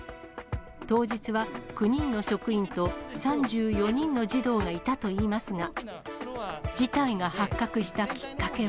当日は、９人の職員と３４人の児童がいたといいますが、事態が発覚したきっかけは。